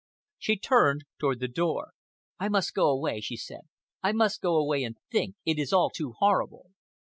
She turned toward the door. "I must go away," she said. "I must go away and think. It is all too horrible."